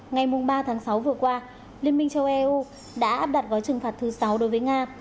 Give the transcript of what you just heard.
ngày ba tháng sáu vừa qua liên minh châu âu đã áp đặt gói trừng phạt thứ sáu đối với nga